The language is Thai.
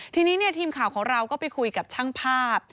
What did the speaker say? ทีนี้ทีมข่าวของเราก็ไปคุยกับช่างภาพ